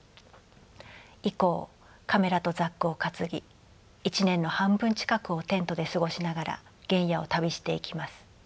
以降カメラとザックを担ぎ一年の半分近くをテントで過ごしながら原野を旅していきます。